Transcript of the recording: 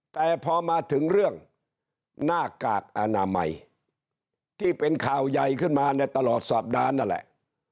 แต่พอมาถึงเรื่องหน้ากากอนามัยที่เป็นข่าวใหญ่ขึ้นมาในตลอดสัปดาห์นั่นแหละ